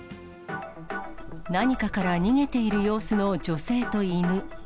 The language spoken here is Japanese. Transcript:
何かから逃げている様子の女性と犬。